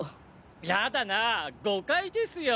やだなあ誤解ですよ。